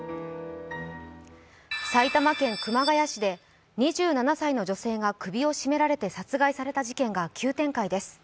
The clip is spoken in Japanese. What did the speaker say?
埼玉県熊谷市で２７歳の女性が首を絞められて殺害された事件が急展開です。